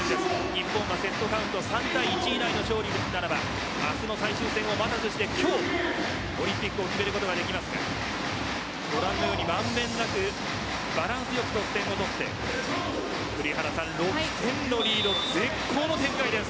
日本はセットカウント３−１以内の勝利ならば明日の最終戦を待たずして今日オリンピックを決めることができますがご覧のように満べんなくバランスよく得点を取って栗原さん、６点のリード絶好の展開です。